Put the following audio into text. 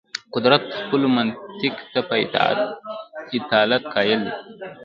قدرت خپلو منطق ته په اصالت قایل دی.